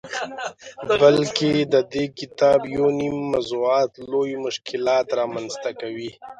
بلکه ددې کتاب یونیم موضوعات لوی مشکلات رامنځته کوي.